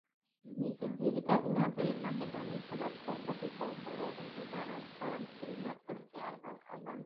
მისი ძირითადი ნაწილი მაკედონიისა და სერბეთის ტერიტორიებზე მდებარეობს, ხოლო მცირე ნაწილი კი ალბანეთში.